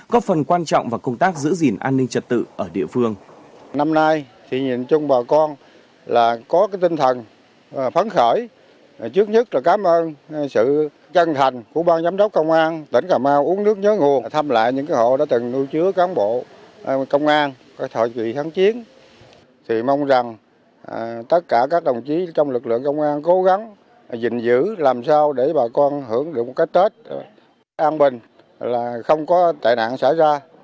góp phần quan trọng vào công tác giữ gìn an ninh trật tự ở địa phương